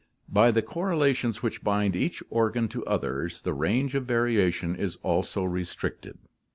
"By the correlations which bind each organ to others the range of variation is also restricted."